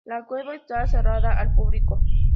La cueva está cerrada al público.